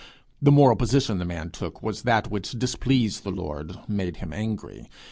The moral position the man took was that which displeased the Lord, made him angry.